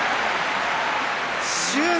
執念。